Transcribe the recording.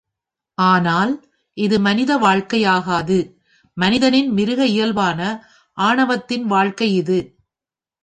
ஆனால், இது மனித வாழ்க்கையாகாது மனிதனின் மிருக இயல்பான ஆணவத்தின் வாழ்க்கை இது.